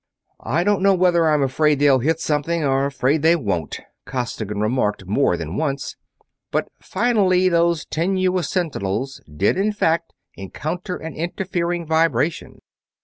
"I don't know whether I'm afraid they'll hit something or afraid that they won't," Costigan remarked more than once, but finally those tenuous sentinels did in fact encounter an interfering vibration.